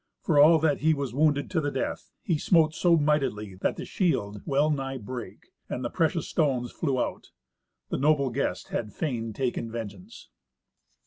For all that he was wounded to the death, he smote so mightily that the shield well nigh brake, and the precious stones flew out. The noble guest had fain taken vengeance.